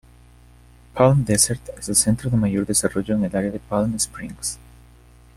Palm Desert es el centro de mayor desarrollo en el área de Palm Springs.